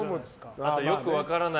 あと、よく分からない